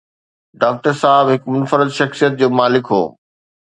Doctor صاحب هڪ منفرد شخصيت جو مالڪ هو.